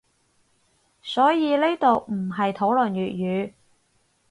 所以呢度唔係討論粵語